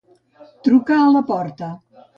Trucar a la porta.